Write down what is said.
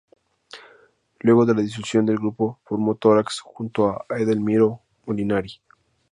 Luego de la disolución del grupo formó Tórax junto a Edelmiro Molinari.